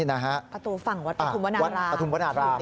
ประตูฝั่งวัดปฐุมพนาศราม